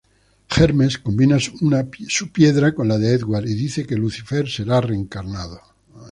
Hermes combina su piedra con la de Edward y dice que Lucifer será reencarnado.